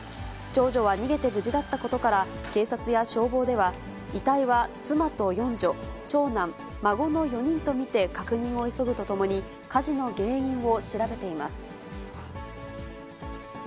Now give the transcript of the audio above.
長女は逃げて無事だったことから、警察や消防では、遺体は妻と四女、長男、孫の４人と見て、確認を急ぐとともに、火事の原因を調べています。